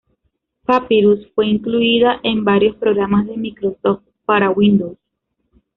Papyrus fue incluida en varios programas de Microsoft para Windows.